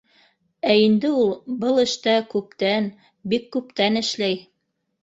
Ә инде ул был эштә күптән, бик күптән эшләй